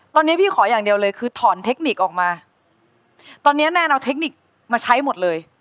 ตอนนี้พี่ขออย่างเดียวเลยคือถอนเทคนิคออกมาตอนเนี้ยแนนเอาเทคนิคมาใช้หมดเลย